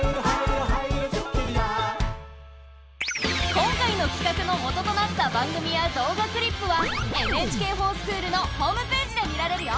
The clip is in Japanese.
今回のきかくの元となった番組や動画クリップは「ＮＨＫｆｏｒＳｃｈｏｏｌ」のホームページで見られるよ。